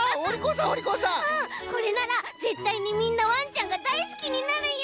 これならぜったいにみんなわんちゃんがだいすきになるよ。